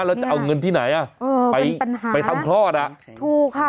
แล้วจะเอาเงินที่ไหนอ่ะเออไปปัญหาไปทำคลอดอ่ะถูกค่ะ